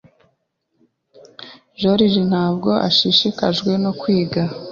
Joriji ntabwo ashishikajwe no kwiga.